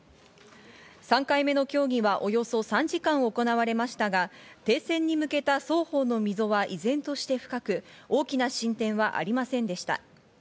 ３回目の協議はおよそ３時間行われましたが、停戦に向けた双方の溝は依然として深く、大きな進展はありませんでした。